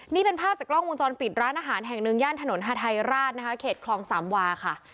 นี่เป็นภาพจากกล้องวงจรปิดร้านอาหารแห่งหนึ่งย่านถนนฮาไทยราชนะคะเขตคลองสามวาค่ะ